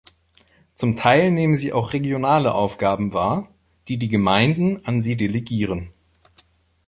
Zum Teil nehmen sie auch regionale Aufgaben wahr, die die Gemeinden an sie delegieren.